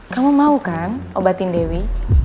kamu mau kan obatin dewi